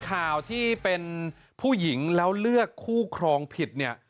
ข่าวที่เป็นผู้หญิงแล้วเลือกคู่ครองผิดเนี่ย